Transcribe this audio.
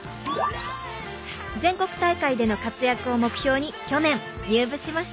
全国大会での活躍を目標に去年入部しました。